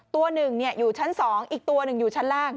ตัวหนึ่งอยู่ชั้น๒อีกตัวหนึ่งอยู่ชั้นล่าง